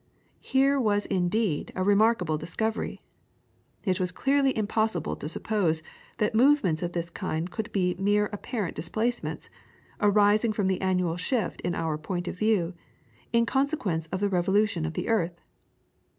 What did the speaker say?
Here was indeed a remarkable discovery. It was clearly impossible to suppose that movements of this kind could be mere apparent displacements, arising from the annual shift in our point of view, in consequence of the revolution of the earth.